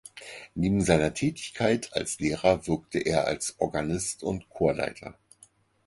Neben seiner Tätigkeit als Lehrer wirkte er als Organist und Chorleiter.